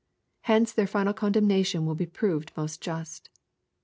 Hence their final condemnation will be proved most just.